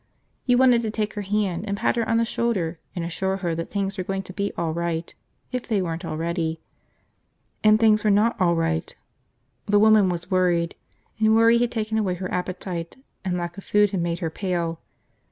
You wanted to take her hand and pat her on the shoulder and assure her that things were going to be all right, if they weren't already. And things were not all right. The woman was worried, and worry had taken away her appetite, and lack of food had made her pale.